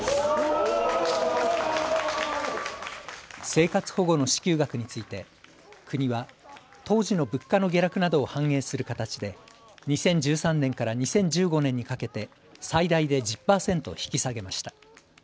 生活保護の支給額について国は当時の物価の下落などを反映する形で２０１３年から２０１５年にかけて最大で１０％引き下げました。